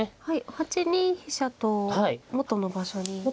はい８二飛車と元の場所に。